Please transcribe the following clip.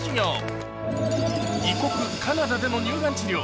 カナダでの乳がん治療